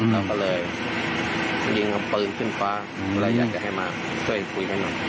เราก็เลยยิงเอาปืนขึ้นฟ้าและอยากจะให้มาช่วยคุยกันหน่อย